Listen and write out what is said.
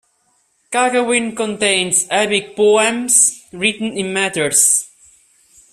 Kakawin contains epic poems written in metres.